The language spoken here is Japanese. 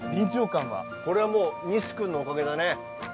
これはもう西君のおかげだね。